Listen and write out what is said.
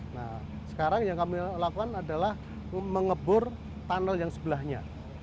nah sekarang yang kami lakukan adalah mengebur tunnel yang sebelahnya